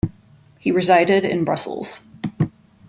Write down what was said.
He resided in Brussels.